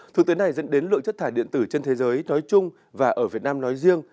thực tế này dẫn đến lượng chất thải điện tử trên thế giới nói chung và ở việt nam nói riêng